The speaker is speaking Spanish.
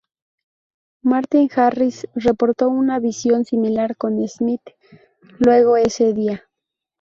Martin Harris reportó una visión similar con Smith luego ese día.